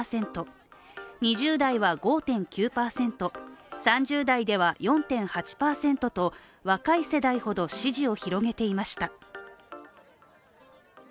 ２０代は５．９％、３０代では４．８％と若い世代ほど支持を広げていました。